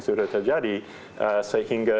sudah terjadi sehingga